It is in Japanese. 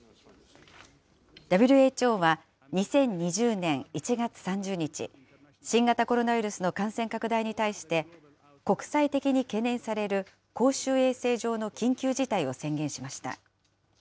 ＷＨＯは２０２０年１月３０日、新型コロナウイルスの感染拡大に対して、国際的に懸念される公衆衛生上の緊急事態を宣言しました。